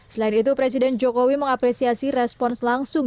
selain itu presiden jokowi mengapresiasi respons langsung